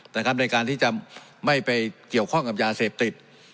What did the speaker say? ในการที่จะไม่ไปเกี่ยวข้องกับยาเสพติด